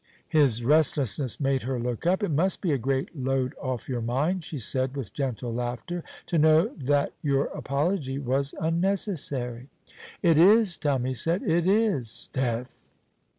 His restlessness made her look up. "It must be a great load off your mind," she said, with gentle laughter, "to know that your apology was unnecessary." "It is," Tommy said; "it is." ('Sdeath!)